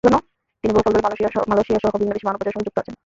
তিনি বহুকাল ধরে মালয়েশিয়াসহ বিভিন্ন দেশে মানব পাচারের সঙ্গে যুক্ত আছেন।